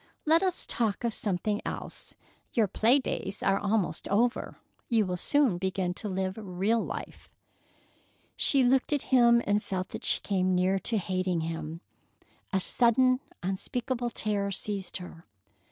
Let us talk of something else. Your play days are almost over. You will soon begin to live real life." She looked at him and felt that she came near to hating him. A sudden, unspeakable terror seized her.